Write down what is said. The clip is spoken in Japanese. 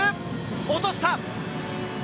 落とした！